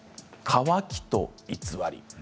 「渇きと偽り」。